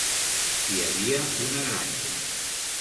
Hi havia una granja.